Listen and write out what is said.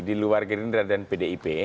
di luar gerindra dan pdip